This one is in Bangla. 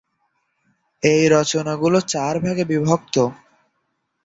এই রচনা গুলো চার ভাগে বিভক্ত।